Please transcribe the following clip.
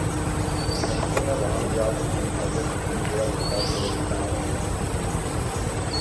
Nechceme vám v žádném případě odpírat jakákoli práva.